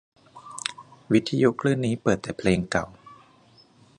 วิทยุคลื่นนี้เปิดแต่เพลงเก่า